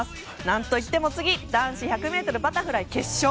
何といっても男子１００ｍバタフライ決勝。